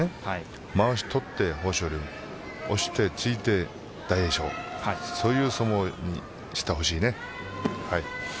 まわしを取って、豊昇龍押して突いて、大栄翔そういう相撲にしてほしいね。